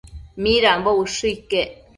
Midambo ushë iquec